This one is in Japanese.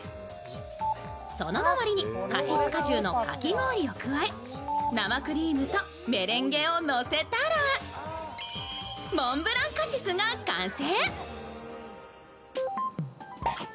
その周りにカシス果汁のかき氷を加え生クリームとメレンケをのせたら、モンブランカシスが完成。